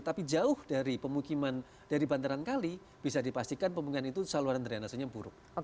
tapi jauh dari pemukiman dari bantaran kali bisa dipastikan pemukiman itu saluran drenasenya buruk